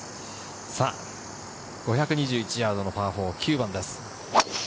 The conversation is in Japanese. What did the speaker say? さぁ、５２１ヤードのパー４、９番です。